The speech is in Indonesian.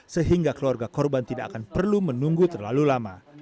sehingga keluarga korban tidak akan perlu menunggu terlalu lama